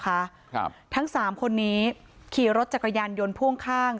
ครับทั้งสามคนนี้ขี่รถจักรยานยนต์พ่วงข้าง